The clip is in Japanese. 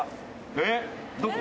えっどこ？